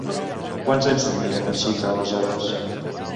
Quants anys tenia Conxita aleshores?